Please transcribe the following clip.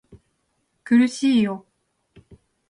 苦しいよ